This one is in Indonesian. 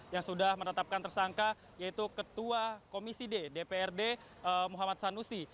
yang sudah menetapkan tersangka yaitu ketua komisi d dprd muhammad sanusi